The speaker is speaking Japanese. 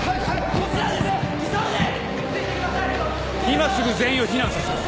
今すぐ全員を避難させろ。